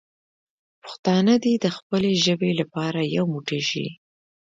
پښتانه دې د خپلې ژبې لپاره یو موټی شي.